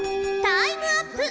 タイムアップ！